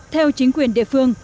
theo chính quyền địa phương